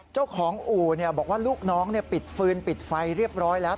เจ้าของอู่บอกว่าลูกน้องปิดฟืนปิดไฟเรียบร้อยแล้ว